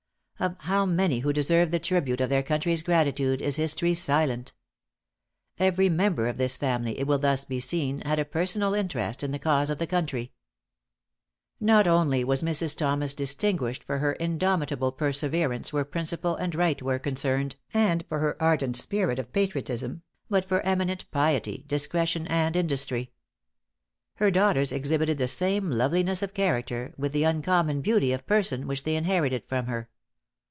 Of how many who deserve the tribute of their country's gratitude, is history silent! Every member of this family, it will thus be seen, had a personal interest in the cause of the country. Not only was Mrs. Thomas distinguished for her indomitable perseverance where principle and right were concerned, and for her ardent spirit of patriotism, but for eminent piety, discretion, and industry. Her daughters exhibited the same loveliness of character, with the uncommon beauty of person which they inherited from her.